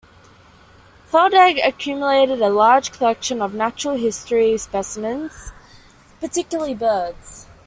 Feldegg accumulated a large collection of natural history specimens, particularly birds.